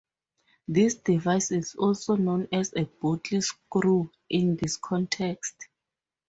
This device is also known as a bottlescrew in this context.